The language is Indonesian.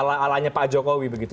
alanya pak jokowi